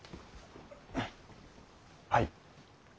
はい。